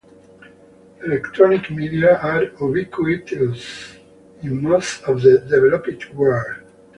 Electronic media are ubiquitous in most of the developed world.